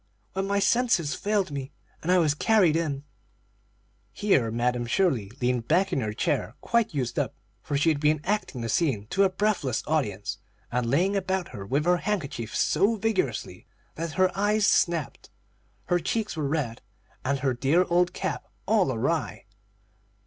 when my senses failed me, and I was carried in." Here Madam Shirley leaned back in her chair quite used up, for she had been acting the scene to a breathless audience, and laying about her with her handkerchief so vigorously that her eyes snapped, her cheeks were red, and her dear old cap all awry.